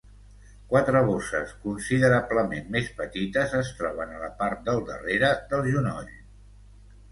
Quatre bosses considerablement més petites es troben a la part del darrere del genoll.